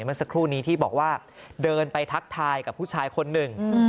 เมื่อสักครู่นี้ที่บอกว่าเดินไปทักทายกับผู้ชายคนหนึ่ง